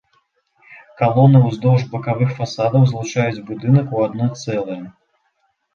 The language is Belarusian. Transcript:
Калоны ўздоўж бакавых фасадаў злучаюць будынак у адно цэлае.